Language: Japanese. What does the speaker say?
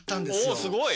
おすごい！